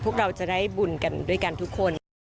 พวกเราจะได้บุญกันด้วยกันทุกคน